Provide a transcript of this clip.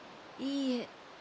いいえ。